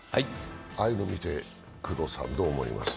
ああいうの見て、工藤さんどう思います？